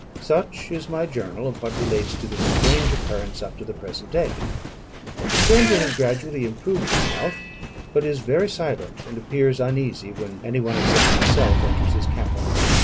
Such is my journal of what relates to this strange occurrence up to the present day. The stranger has gradually improved in health, but is very silent, and appears uneasy when any one except myself enters his cabin.